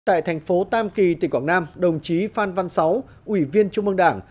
tại thành phố tam kỳ tỉnh quảng nam đồng chí phan văn sáu ủy viên trung mương đảng